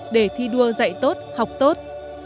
để thi đua dạy tốt học tốt